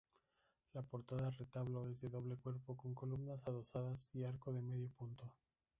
La portada-retablo es de doble cuerpo con columnas adosadas y arco de medio punto.